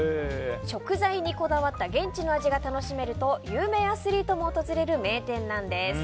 食材にこだわった現地の味が楽しめると有名アスリートも訪れる名店なんです。